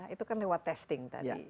itu kan lewat testing tadi